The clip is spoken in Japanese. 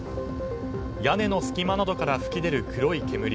屋根の隙間などから噴き出る黒い煙。